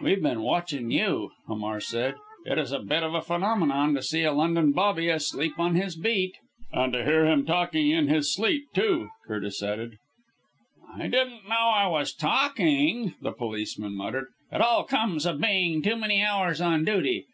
"We've been watching you!" Hamar said. "It is a bit of a phenomenon to see a London bobby asleep on his beat." "And to hear him talking in his sleep too," Curtis added. "I didn't know I was talking," the policeman muttered. "It all comes of being too many hours on duty.